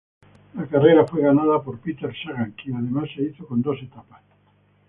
La carrera fue ganada por Peter Sagan quien además se hizo con dos etapas.